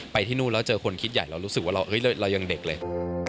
ที่นู่นแล้วเจอคนคิดใหญ่เรารู้สึกว่าเรายังเด็กเลย